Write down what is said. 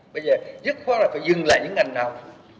bây giờ nhất khóa là phải dừng lại những ngành nào